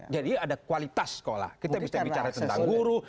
jadi ada kualitas sekolah kita bisa bicara tentang guru